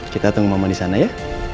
kita tunggu mama disana ya